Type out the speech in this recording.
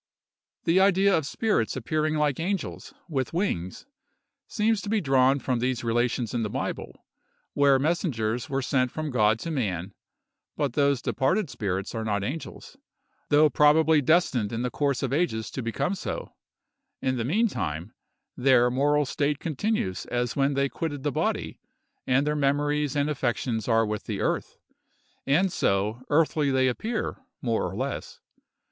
The idea of spirits appearing like angels, with wings, &c., seems to be drawn from these relations in the Bible, when messengers were sent from God to man; but those departed spirits are not angels, though probably destined in the course of ages to become so: in the meantime, their moral state continues as when they quitted the body, and their memories and affections are with the earth—and so, earthly they appear, more or less.